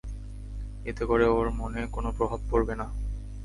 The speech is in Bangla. এতে করে ওর মনে কোনো প্রভাব পড়বে না।